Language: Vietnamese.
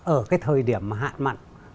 ở cái thời điểm mà hạn mặn